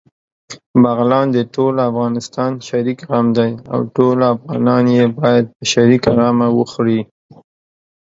بغلان دټول افغانستان شريک غم دی، او ټول افغانان يې باېد په شريکه غم وخوري